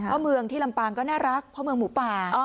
เพราะเมืองที่ลำปางก็น่ารักเพราะเมืองหมูป่า